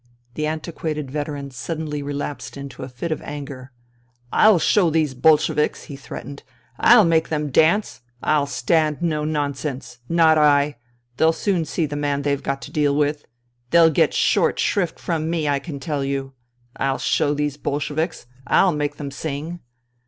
The antiquated veteran suddenly relapsed into a fit of anger. " I'll show these Bolsheviks !" he threatened. " I'll make them dance ! I'll stand no nonsense I Not I ! They'll soon see the man they've got to deal with ! They'll get short shrift from me, I can tell you ! I'll show these Bolsheviks I I'll make them sing